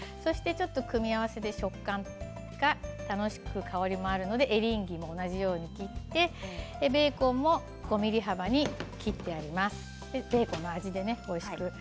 組み合わせで食感が楽しく香りもあるのでエリンギも同じように切ってベーコンも５ｍｍ幅に切っています。